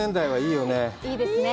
いいですね。